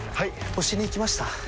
押しに行きました？